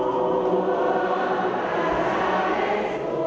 รู้ว่าแก่เธอไหวชัย